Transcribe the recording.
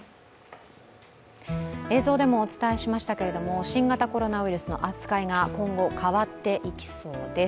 映像でもお伝えしましたけれども新型コロナウイルスの扱いが今後、変わっていきそうです